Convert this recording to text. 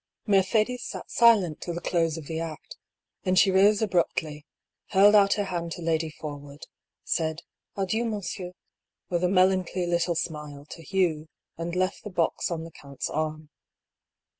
Mercedes sat silent till the close of the act, then she rose abruptly, held out her hand to Lady Forwood, said " Adieu, monsieur," with a melancholy little smile, to Hugh, and left the box on the count's arm.